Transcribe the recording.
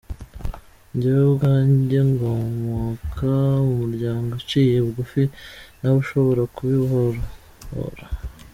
Njyewe ubwanjye nkomoka mu muryango uciye bugufi, ntawe nshobora kubihora.